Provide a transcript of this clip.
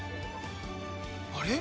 あれ？